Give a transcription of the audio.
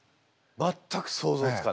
全く想像つかない。